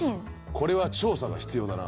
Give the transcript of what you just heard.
これは調査が必要だな。